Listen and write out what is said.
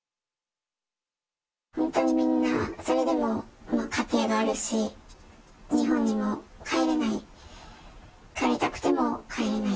本当にみんな、それでも家庭があるし、日本にも帰れない、帰りたくても帰れない。